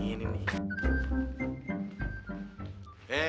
hei kamu itu mau kemana toh sebenarnya rek